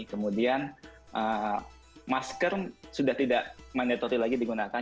kemudian masker sudah tidak mandatori lagi digunakan